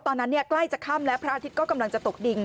ตอนนั้นใกล้จะค่ำแล้วพระอาทิตย์กำลังจะตกดิน